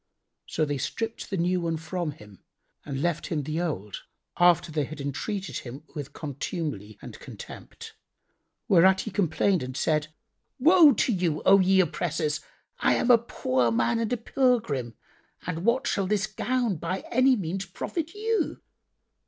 [FN#83] So they stripped the new one from him and left him the old, after they had entreated him with contumely and contempt; whereat he complained and said, "Woe to you, O ye oppressors! I am a poor man and a pilgrim,[FN#84] and what shall this gown by any means profit you?